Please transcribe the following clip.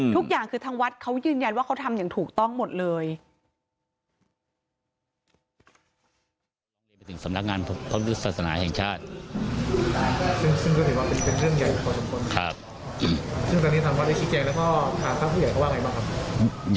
ทุกอย่างคือทางวัดเขายืนยันว่าเขาทำอย่างถูกต้องหมดเลย